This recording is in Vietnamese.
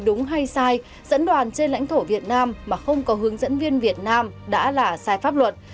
đúng hay sai dẫn đoàn trên lãnh thổ việt nam mà không có hướng dẫn viên việt nam đã là sai pháp luật